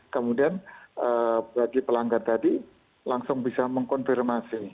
kemudian bagi pelanggar tadi langsung bisa mengkonfirmasi